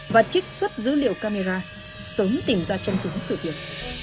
và trích xuất dữ liệu camera sớm tìm ra chân thực sự việc